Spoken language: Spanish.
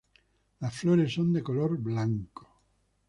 Las flores son de color blanco.